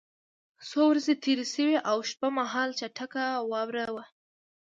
څو ورځې تېرې شوې او شپه مهال چټکه واوره وه